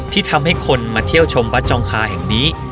ที่ทำให้คนมาเที่ยวชมวัดจองคาแห่งนี้